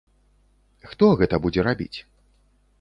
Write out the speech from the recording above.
Хто гэта будзе рабіць?